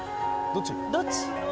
どっち？